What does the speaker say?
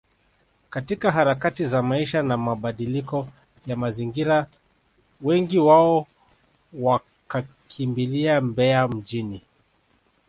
katika harakati za maisha na mabadiliko ya mazingira wengi wao wakakimbilia Mbeya mjini